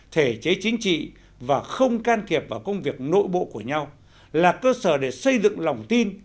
thể chế chính trị và không can thiệp vào công việc nội bộ của nhau là cơ sở để xây dựng lòng tin